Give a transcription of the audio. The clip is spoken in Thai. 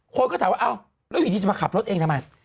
คนก็ถามว่าอ้าวแล้วอยู่ดีจะมาขับรถเองทำไม